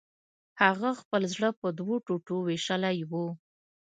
هغه خپل زړه په دوو ټوټو ویشلی و